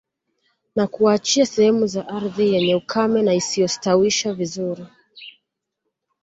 Na kuwaachia sehemu za ardhi yenye ukame na isiyostawisha vizuri